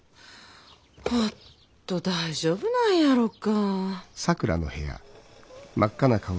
ほっと大丈夫なんやろか？